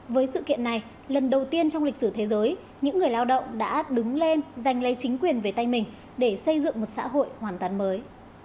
với sự kiện này lần đầu tiên trong lịch sử thế giới những người lao động đã đứng lên giành lấy chính quyền về tay mình để xây dựng một xã hội hoàn toàn mới